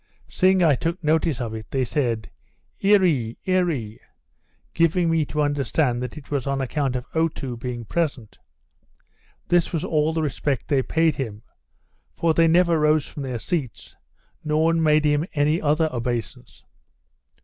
Seeing I took notice of it, they said Earee, Earee; giving me to understand that it was on account of Otoo being present. This was all the respect they paid him; for they never rose from their seats, nor made him any other obeisance.